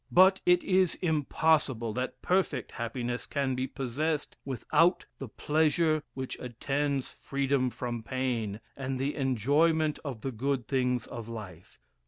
But it is impossible that perfect happiness can be possessed without the pleasure which attends freedom from pain, and the enjoyment of the good things of life.